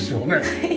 はい。